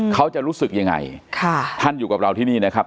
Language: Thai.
เขาจะรู้สึกยังไงค่ะท่านอยู่กับเราที่นี่นะครับ